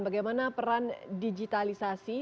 bagaimana peran digitalisasi